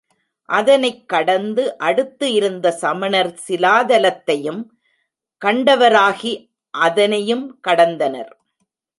அதனைக் கடந்து அடுத்து இருந்த சமணர் சிலாதலத்தையும் கண்டவராகி அதனையும் கடந்தனர்.